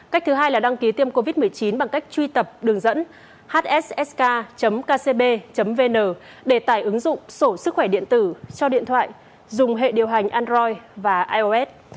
cách thứ hai là đăng ký tiêm covid một mươi chín bằng cách truy cập đường dẫn hsk kcb vn để tải ứng dụng sổ sức khỏe điện tử cho điện thoại dùng hệ điều hành android và ios